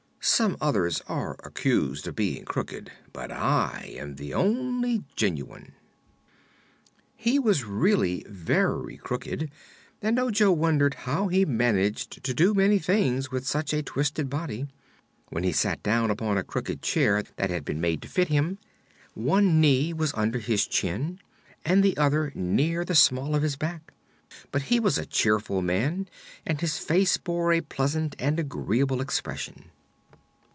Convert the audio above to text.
Some others are accused of being crooked, but I am the only genuine." He was really very crooked and Ojo wondered how he managed to do so many things with such a twisted body. When he sat down upon a crooked chair that had been made to fit him, one knee was under his chin and the other near the small of his back; but he was a cheerful man and his face bore a pleasant and agreeable expression.